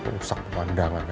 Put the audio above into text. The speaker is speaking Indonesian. usak pandangan aja